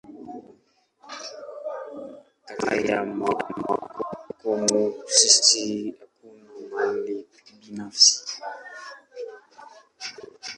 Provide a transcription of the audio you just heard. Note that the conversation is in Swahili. Katika jumuia ya wakomunisti, hakuna mali binafsi.